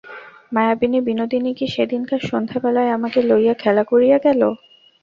মায়াবিনী বিনোদিনী কি সেদিনকার সন্ধ্যাবেলায় আমাকে লইয়া খেলা করিয়া গেল।